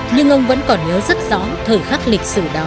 nhưng ông vẫn còn nhớ rất rõ thời khắc lịch sử đó